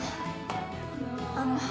あの。